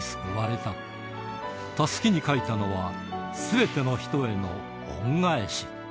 たすきに書いたのは、すべての人への恩返し。